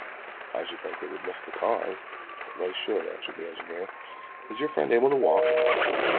"I should think they would miss the cars." "They should," answered the engineer. "Is your friend able to walk?"